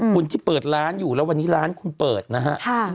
คุณที่เปิดร้านอยู่แล้ววันนี้ร้านคุณเปิดนะฮะ